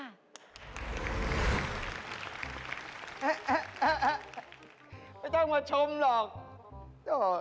ไม่ต้องมาชมหรอก